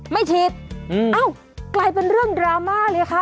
ไม่ฉีดเอ้ากลายเป็นเรื่องดราม่าเลยค่ะ